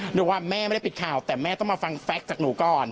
หนูว่าแม่ไม่ได้ปิดข่าวแต่แม่ต้องมาฟังแฟคจากหนูก่อน